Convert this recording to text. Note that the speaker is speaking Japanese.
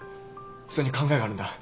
それに考えがあるんだ。